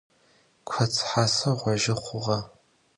Kots haser ğojı xhuğe.